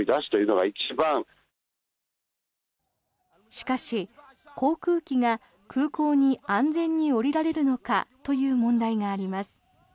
しかし、航空機が空港に安全に降りられるのかという問題があります。